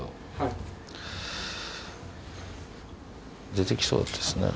出て来そうですね。